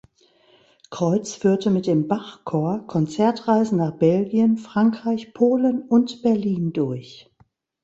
Kreutz führte mit dem Bachchor Konzertreisen nach Belgien, Frankreich, Polen und Berlin durch.